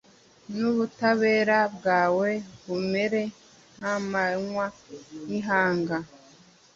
n’ubutabera bwawe bumere nk’amanywa y’ihangu